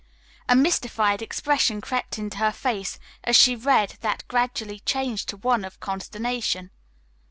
A mystified expression crept into her face as she read that gradually changed to one of consternation.